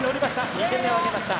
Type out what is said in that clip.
２点目を取りました。